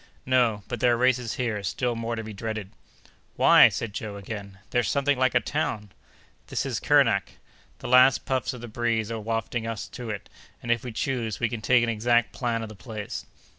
"No; but there are races here still more to be dreaded." "Why!" said Joe, again, "there's something like a town." "That is Kernak. The last puffs of the breeze are wafting us to it, and, if we choose, we can take an exact plan of the place."